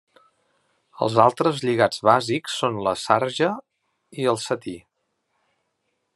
Els altres lligats bàsics són la sarja i el setí.